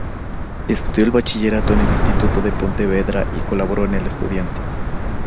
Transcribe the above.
Estudió el bachillerato en el Instituto de Pontevedra y colaboró en "El Estudiante.